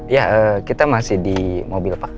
ya kita masih di mobil pak